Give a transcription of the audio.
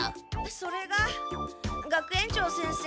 それが学園長先生